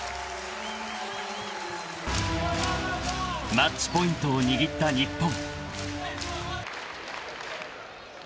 ［マッチポイントを握った日本］